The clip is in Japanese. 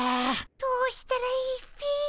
どうしたらいいっピ。